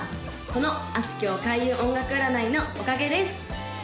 このあすきょう開運音楽占いのおかげです！